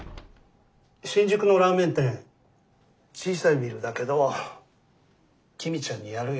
新宿のラーメン店小さいビルだけど公ちゃんにやるよ。